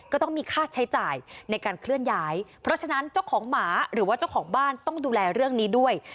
ก็ต้องมีค่าใช้จ่ายในการเคลื่อนย้ายเพราะฉะนั้นเจ้าของหมาหรือว่าเจ้าของบ้านต้องดูแลเรื่องนี้ด้วย